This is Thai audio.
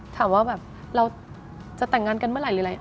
ถามว่าเราจะแต่งงานกันเมื่อไหร่